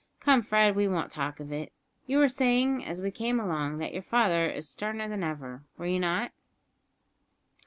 Come, Fred, we won't talk of it. You were saying, as we came along, that your father is sterner than ever, were you not?"